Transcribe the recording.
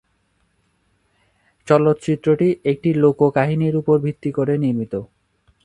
চলচ্চিত্রটি একটি লোক কাহিনীর উপর ভিত্তি করে নির্মিত।